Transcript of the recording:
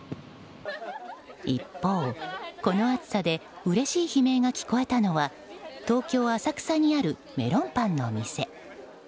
一方、この暑さでうれしい悲鳴が聞こえたのは東京・浅草にあるメロンパンのお店。